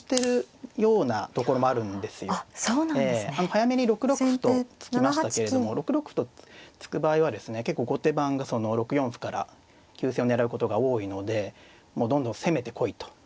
早めに６六歩と突きましたけれども６六歩と突く場合はですね結構後手番がその６四歩から急戦を狙うことが多いのでもうどんどん攻めてこいと。